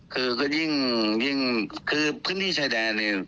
คือก็ยิ่งคือพื้นที่ชายแดนเนี่ย